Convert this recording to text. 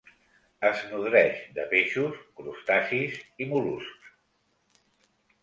Es nodreix de peixos, crustacis i mol·luscs.